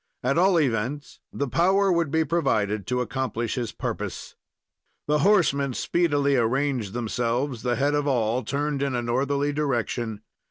At all events, the power would be provided to accomplish his purpose. The horsemen speedily arranged themselves; the head of all turned in a northerly direction.